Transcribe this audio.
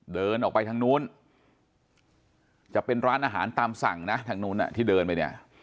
เดินออกไปทางนู้นจะเป็นร้านอาหารตามสั่งนะทางนู้นที่เดินไปเนี่ย